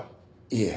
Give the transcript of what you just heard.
いえ。